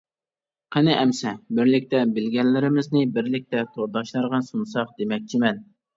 قېنى، ئەمىسە بىرلىكتە بىلگەنلىرىمىزنى بىرلىكتە تورداشلارغا سۇنساق دېمەكچىمەن!